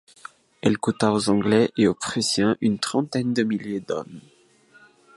Elle coûta aux Anglais et aux Prussiens une trentaine de milliers d'hommes.